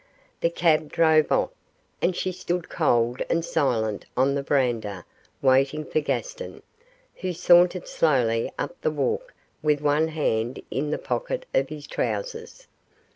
The cab drove off, and she stood cold and silent on the verandah waiting for Gaston, who sauntered slowly up the walk with one hand in the pocket of his trousers.